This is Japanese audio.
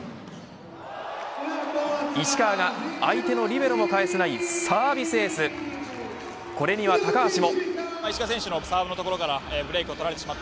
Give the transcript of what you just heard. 石川が相手のリベロも返せないサービスエースこれには高橋も。